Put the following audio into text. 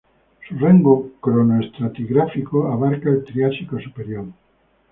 Su rango cronoestratigráfico abarca el Triásico superior.